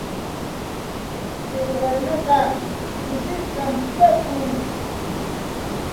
Chay warmiqa kushishqam kawakun.